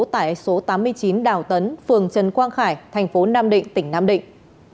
tại số tám mươi chín đào tấn phường trần quang khải tp nam định tỉnh nam định